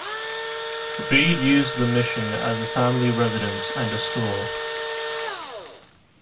Reed used the Mission as a family residence and a store.